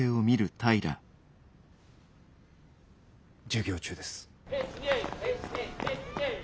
授業中です。